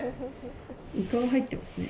イカが入ってますね。